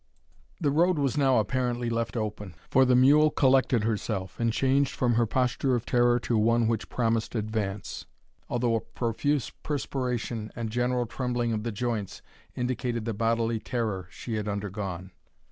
The road was now apparently left open; for the mule collected herself, and changed from her posture of terror to one which promised advance, although a profuse perspiration, and general trembling of the joints, indicated the bodily terror she had undergone.